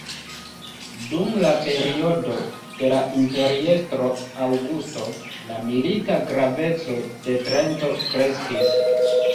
Dum la periodo de la imperiestro Augusto, la milita graveco de Trento kreskis.